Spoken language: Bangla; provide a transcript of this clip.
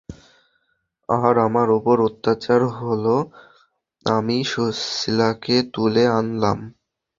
আর আমার উপর অত্যাচার হলো, আমি সুশীলাকে তুলে আনলাম।